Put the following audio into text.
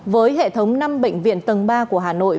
với hệ thống năm bệnh viện tầng ba của hà nội